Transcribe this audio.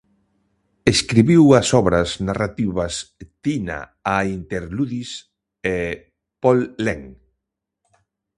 Escribiu as obras narrativas "Tina a interludis" e "Pol-len".